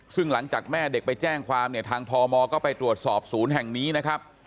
ซึ่งหลังจากแม่เด็กไปแจ้งความเนี่ยทางพมก็ไปตรวจสอบศูนย์แห่งนี้นะครับ